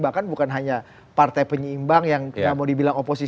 bahkan bukan hanya partai penyeimbang yang nggak mau dibilang oposisi